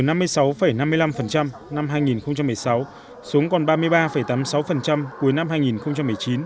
năm hai nghìn một mươi sáu xuống còn ba mươi ba tám mươi sáu cuối năm hai nghìn một mươi chín